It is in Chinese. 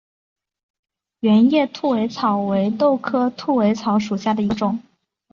圆叶兔尾草为豆科兔尾草属下的一个种。